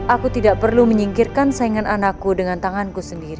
aku tidak perlu menyingkirkan saingan anakku dengan tanganku sendiri